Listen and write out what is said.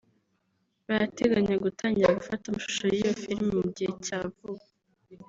barateganya gutangira gufata amashusho y’iyo filimi mu gihe cya vuba